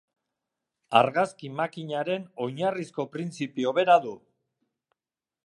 Argazki makinaren oinarrizko printzipio bera du.